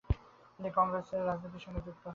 তিনি কংগ্রেসের রাজনীতির সঙ্গে যুক্ত হন।